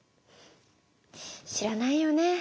知らないよね。